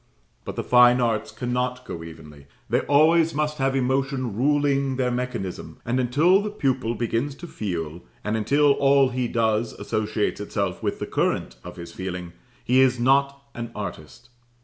But the Fine Arts cannot go evenly; they always must have emotion ruling their mechanism, and until the pupil begins to feel, and until all he does associates itself with the current of his feeling, he is not an artist.